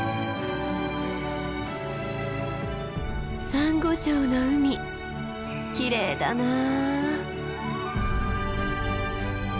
サンゴ礁の海きれいだなあ。